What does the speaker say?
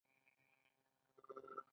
د هاتي تر پښو لاندې اچول بله سزا وه.